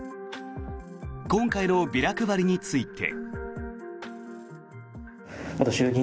今回のビラ配りについて。